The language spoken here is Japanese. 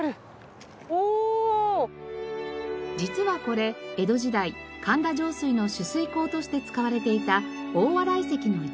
実はこれ江戸時代神田上水の取水口として使われていた大洗堰の一部。